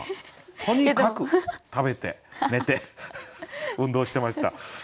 とにかく食べて寝て運動してました。